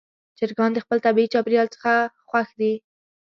چرګان د خپل طبیعي چاپېریال څخه خوښ دي.